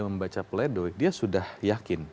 membaca pleidoy dia sudah yakin